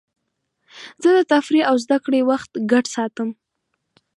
زه د تفریح او زدهکړې وخت ګډ ساتم.